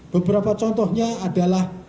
beberapa contohnya adalah